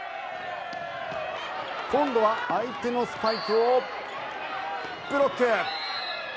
今度は相手のスパイクをブロック！